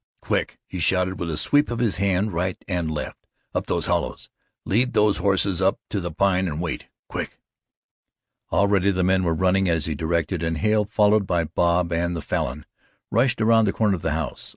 "Quick!" he shouted, with a sweep of his hand right and left. "Up those hollows! Lead those horses up to the Pine and wait. Quick!" Already the men were running as he directed and Hale, followed by Bob and the Falin, rushed around the corner of the house.